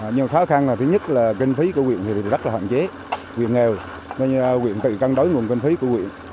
nhưng khó khăn là thứ nhất là kinh phí của huyện rất là hạn chế huyện nghèo huyện tự căn đối nguồn kinh phí của huyện